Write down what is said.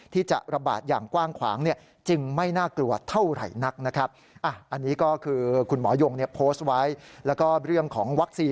ที่จะระบาดอย่างกว้างขวาง